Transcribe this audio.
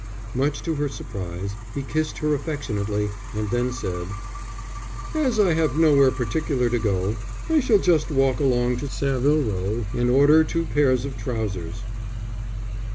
Much to her surprise he kissed her affectionately, and then said: "As I have nowhere particular to go, I shall just walk along to Savile Row, and order two pairs of trousers."